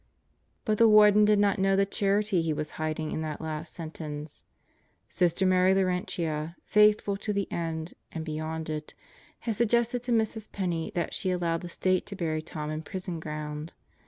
But the Warden did not know the charity he was hiding in that last sentence. Sister Mary Laurentia, faithful to the end and beyond it had suggested to Mrs. Penney that she allow the State to bury Tom in prison ground.